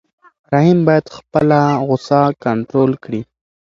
رحیم باید خپله غوسه کنټرول کړي.